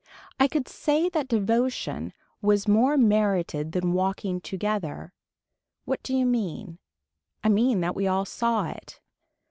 I could say that devotion was more merited than walking together. What do you mean. I mean that we all saw it.